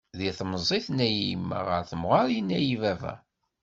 Deg temẓi tenna-yi yemma, ɣer temɣer yenna-yi baba.